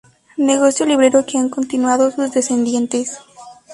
Negocio librero que han continuado sus descendientes.